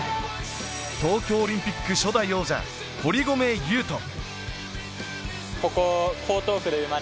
東京オリンピック初代王者・堀米雄斗。